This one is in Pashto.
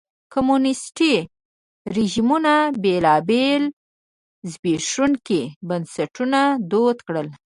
کمونیستي رژیمونو بېلابېل زبېښونکي بنسټونه دود کړل.